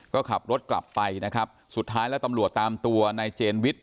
ก็ขับรถกลับไปนะครับสุดท้ายแล้วตำรวจตามตัวนายเจนวิทย์